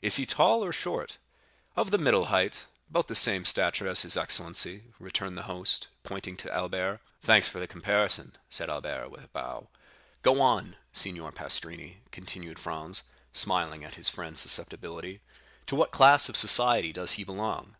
"Is he tall or short?" "Of the middle height—about the same stature as his excellency," returned the host, pointing to Albert. "Thanks for the comparison," said Albert, with a bow. "Go on, Signor Pastrini," continued Franz, smiling at his friend's susceptibility. "To what class of society does he belong?"